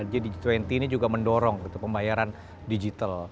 jadi g dua puluh ini juga mendorong pembayaran digital